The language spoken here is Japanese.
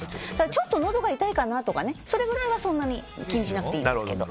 ちょっとのどが痛いかな、とかそれぐらいはそんなに気にしなくていいですけど。